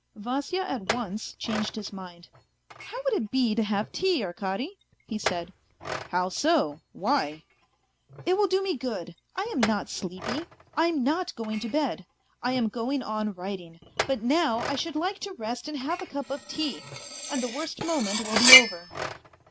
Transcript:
Vasya at once changed his mind. " How would it be to have tea, Arkady ?" he said. " How so ? Why ?"" It will do me good. I am not sleepy, I'm not going to bed ! I am going on writing. But now I should like to rest and have a cup of tea, and the worst moment will be over."